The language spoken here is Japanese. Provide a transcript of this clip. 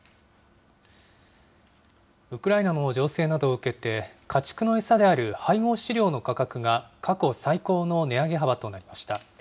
ウクライナの情勢などを受けて、家畜の餌である配合飼料の価格が過去最高の値上げ幅となりました。